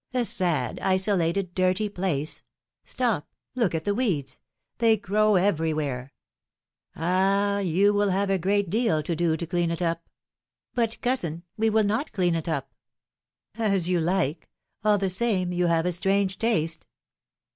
sad, iso lated, dirty place — Stop, look at the weeds ! They grow everywhere! Ah I yoii will have a great deal to do to clean it up ! But, cousin, we will not clean it up ! ^^As you like ! all the same, you have a strange taste